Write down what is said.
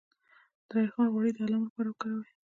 د ریحان غوړي د ارام لپاره وکاروئ